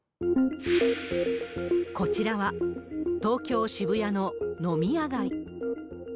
こちらは、東京・渋谷の飲み屋街。